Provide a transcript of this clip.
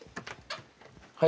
はい。